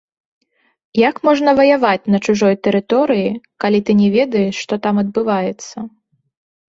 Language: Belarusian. Як можна ваяваць на чужой тэрыторыі, калі ты не ведаеш, што там адбываецца?